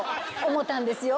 思ったんですよ？